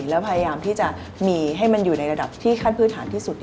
แล้วพยายามที่จะมีให้มันอยู่ในระดับที่ขั้นพื้นฐานที่สุด